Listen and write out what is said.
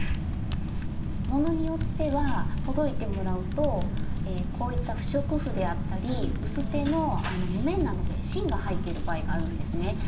ものによってはほどいてもらうとこういった不織布であったり薄手の木綿などで芯が入っている場合があるんですね。